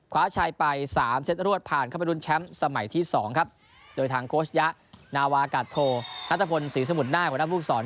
ขวาชายไป๓เซตรวดผ่านเข้าไปรุ่นแชมป์สมัยที่๒ครับโดยทางโคชยะนาวากาโทนัทธพลศรีสมุดหน้าของนัทฟูกษร